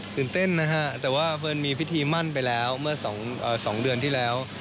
เต้นนะฮะแต่ว่าเพลินมีพิธีมั่นไปแล้วเมื่อ๒เดือนที่แล้ว